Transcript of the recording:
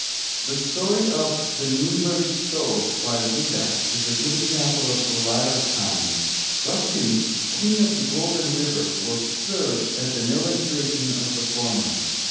The story of The Nürnberg Stove, by Ouida, is a good example of the latter kind; Ruskin's King of the Golden River will serve as an illustration of the former.